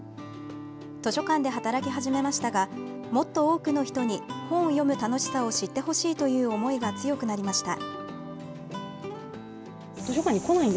図書館で働き始めましたがもっと多くの人に本を読む楽しさを知ってほしいという思いが強くなりました。